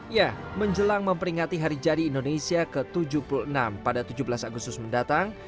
ya menjelang memperingati hari jadi indonesia ke tujuh puluh enam pada tujuh belas agustus mendatang